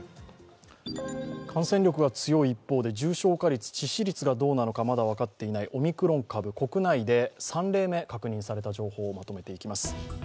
感染力が強い一方で重症化率、致死率がどうなのかまだ分かっていないオミクロン株、国内で３例目、確認された情報をまとめていきます。